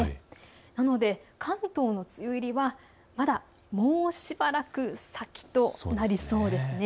なので関東の梅雨入りはまだもうしばらく先となりそうですね。